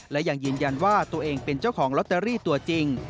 และยังยืนยันว่าตัวเองเป็นเจ้าของลอตเตอรี่ตัวจริง